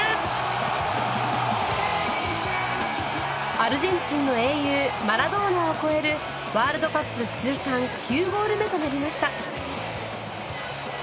アルゼンチンの英雄マラドーナを超えるワールドカップ通算９ゴール目となりました。